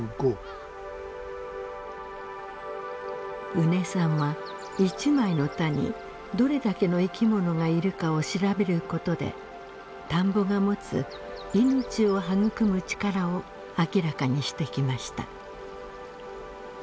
宇根さんは一枚の田にどれだけの生き物がいるかを調べることで田んぼが持つ命を育む力を明らかにしてきました。